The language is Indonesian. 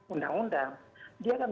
undang undang dia kan